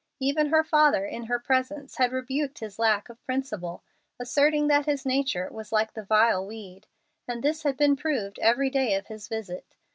Even her father, in her presence, had rebuked his lack of principle, asserting that his nature was like the vile weed; and this had been proved every day of his visit.